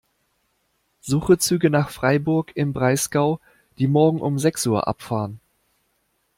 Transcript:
Suche Züge nach Freiburg im Breisgau, die morgen um sechs Uhr abfahren.